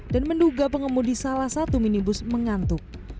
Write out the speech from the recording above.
dan menduga pengemudi salah satu minibus mengantuk